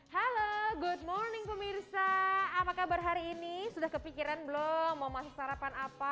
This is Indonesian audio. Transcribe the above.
halo good morning pemirsa apa kabar hari ini sudah kepikiran belum mau masuk sarapan apa